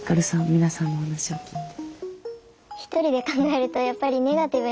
皆さんのお話を聞いて。